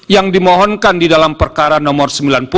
yang dimohonkan di dalam perkara nomor sembilan puluh